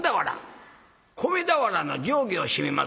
米俵の上下をしめます